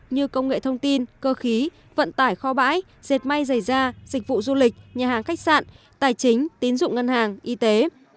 như công nghệ thông tin cơ khí vận tải kho bãi dệt may dày da dịch vụ du lịch nhà hàng khách sạn tài chính tín dụng ngân hàng y tế